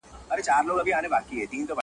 ډېر مي د اورنګ او خوشحال خان٫